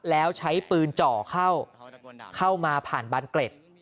แล้วใช้ปืนเจาะเข้ามาผ่านบานเกร็ด